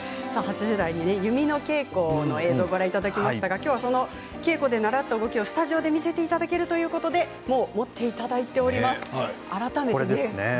８時台、弓の稽古の映像をご覧いただきましたが稽古で習った動きをスタジオで見せていただけるということで持っていただいております。